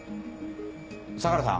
相良さん？